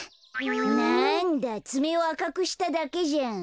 なんだつめをあかくしただけじゃん。